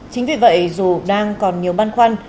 chính vì vậy dù đang còn nhiều băn khoăn